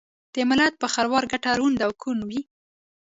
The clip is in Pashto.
دملت پر خروار ګټه ړوند او کوڼ وي